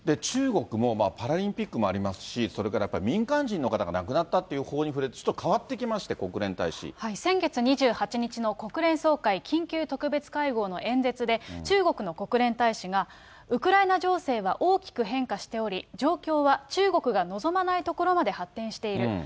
中国もパラリンピックもありますし、それから民間人の方が亡くなったという報に触れると、ちょっと変先月２８日の国連総会緊急特別会合の演説で、中国の国連大使が、ウクライナ情勢は大きく変化しており、状況は中国が望まないところまで発展している。